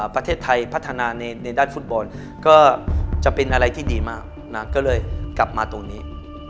ประเทศไทยพัฒนาในด้านฟุตบอลก็จะเป็นอะไรที่ดีมากนะก็เลยกลับมาตรงนี้